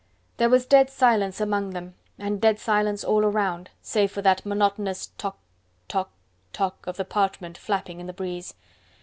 There was dead silence among them, and dead silence all around, save for that monotonous tok tok tok of the parchment flapping in the breeze.